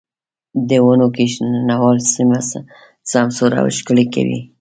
د ونو کښېنول سيمه سمسوره او ښکلې کوي.